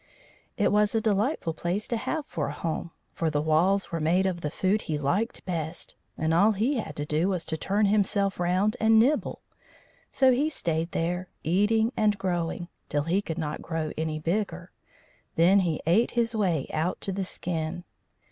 It was a delightful place to have for a home, for the walls were made of the food he liked best, and all he had to do was to turn himself round and nibble. So he stayed there, eating and growing, till he could not grow any bigger. Then he ate his way out to the skin.